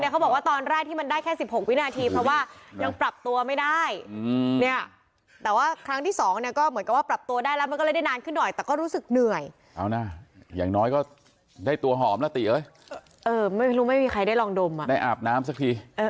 คงบอกว่าก็ตอนแรกที่มันได้แค่๑๖วินาทีเพราะว่ายังปรับตัวไม่ได้